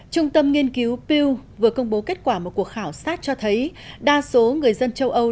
trung tâm nghiên cứu pew vừa công bố kết quả một cuộc khảo sát cho thấy đa số người dân châu âu